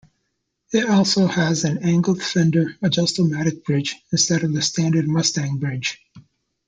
It also has an angled Fender adjusto-matic bridge instead of the standard Mustang bridge.